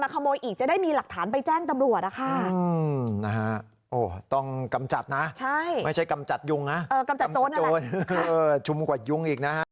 ขโมยอีกจะได้มีหลักฐานไปแจ้งตำรวจนะคะต้องกำจัดนะไม่ใช่กำจัดยุงนะกำจัดโจรนะโจรชุมกว่ายุงอีกนะฮะ